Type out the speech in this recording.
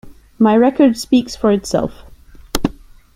My record speaks for itself.